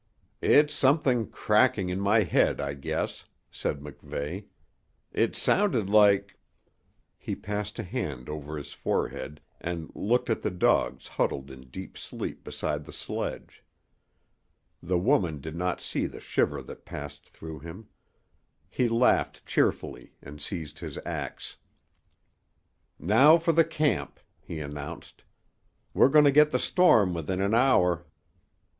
"It's something cracking in my head, I guess," said MacVeigh. "It sounded like " He passed a hand over his forehead and looked at the dogs huddled in deep sleep beside the sledge. The woman did not see the shiver that passed through him. He laughed cheerfully, and seized his ax. "Now for the camp," he announced. "We're going to get the storm within an hour."